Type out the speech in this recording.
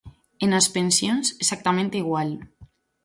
E nas pensións, exactamente igual.